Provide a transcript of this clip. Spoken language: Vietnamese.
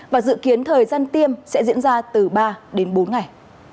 và dự kiến thời gian tiêm sẽ diễn ra từ ba đến bốn ngày